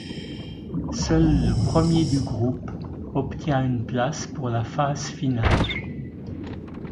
Seul le premier du groupe obtient une place pour la phase finale.